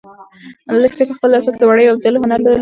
لښتې په خپلو لاسو کې د وړیو د اوبدلو هنر درلود.